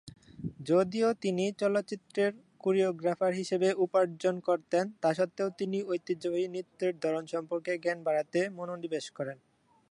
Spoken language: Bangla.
যদিও তিনি চলচ্চিত্রের কোরিওগ্রাফার হিসাবে উপার্জন করতেন, তা সত্ত্বেও তিনি ঐতিহ্যবাহী নৃত্যের ধরন সম্পর্কে জ্ঞান বাড়াতে মনোনিবেশ করেন।